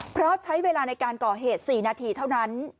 เพราะใช้เวลาในการก่อเหตุ๔นาทีเท่านั้น